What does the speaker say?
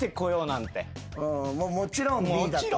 もちろんＢだと。